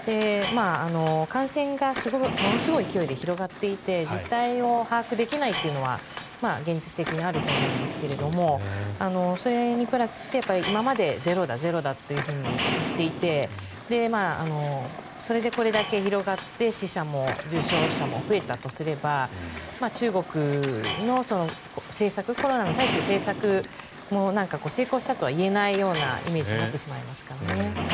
感染がものすごい勢いで広がっていて実態を把握できないというのは現実的にあると思うんですけれどもそれにプラスして今までゼロだゼロだって言っていてそれでこれだけ広がって死者も重症者も増えたとすれば中国の政策コロナに対する政策も成功したとは言えないようなイメージになってしまいますからね。